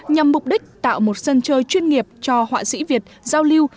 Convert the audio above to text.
nhằm mục đích tạo một sân chơi chuyên nghiệp cho họa sĩ việt giao lưu